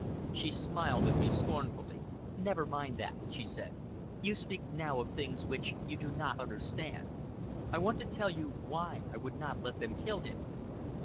She smiled at me scornfully. "Never mind that," she said. "You speak now of things which you do not understand. I want to tell you why I would not let them kill him."